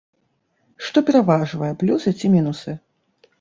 Што пераважвае, плюсы ці мінусы?